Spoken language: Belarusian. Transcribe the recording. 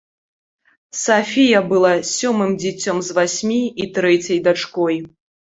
Сафія была сёмым дзіцем з васьмі і трэцяй дачкой.